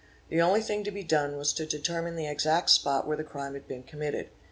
The "only thing to be done was to determine the exact spot where the crime had been committed.